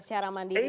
secara mandiri gitu